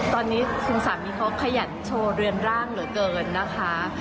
ตอนนี้คุณสามีเขาขยันโชว์เรือนร่างเหลือเกินนะคะ